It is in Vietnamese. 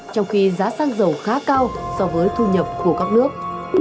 trong khi giá xăng dầu khá cao so với thu nhập của các nước